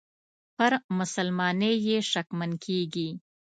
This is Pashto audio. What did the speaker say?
پر مسلماني یې شکمن کیږي.